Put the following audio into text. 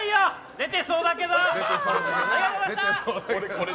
出てそうだけど！